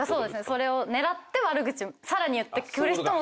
それを狙ってさらに言ってくる人も増えたり。